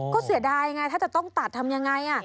ก็เสียดายไงถ้าจะต้องตัดทำยังไง